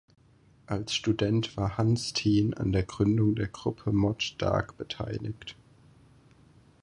Als Student war Hansteen an der Gründung der Gruppe Mot Dag beteiligt.